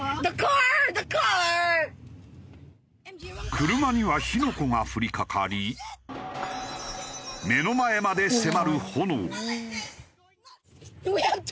車には火の粉が降りかかり目の前まで迫る炎。